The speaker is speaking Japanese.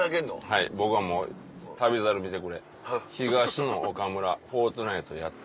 はい僕はもう「『旅猿』見てくれ東野岡村『フォートナイト』やってる」。